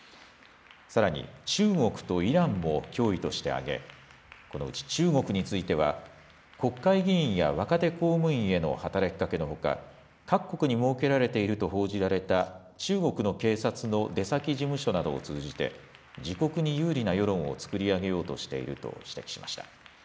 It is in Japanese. さらに中国とイランも脅威として挙げ、このうち中国については、国会議員や若手公務員への働きかけのほか、各国に設けられていると報じられた中国の警察の出先事務所などを通じて、自国に有利な世論を作り上げようとしていると指摘しました。